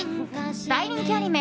大人気アニメ